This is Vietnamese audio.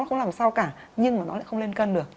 không làm sao cả nhưng mà nó lại không lên cân được